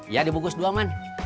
iya dibungkus doang man